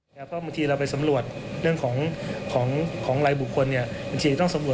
อยากไปทำเรื่องของแฟนชาย